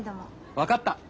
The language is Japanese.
分かった。